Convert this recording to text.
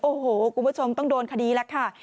โอ้โหคุณผู้ชมต้องโดนคดีแล้วค่ะ